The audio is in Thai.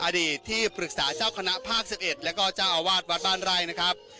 อดีตที่ปรึกษาเจ้าคณะภาค๑๑แล้วก็เจ้าอาวาสวัดบ้านไร่นะครับ